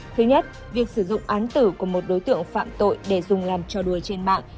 thứ nhất việc sử dụng án tử của một đối tượng phạm tội để dùng làm trò đuôi trên mạng